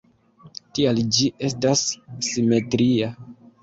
Tial ĝi estas simetria.